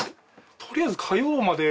取りあえず火曜まで。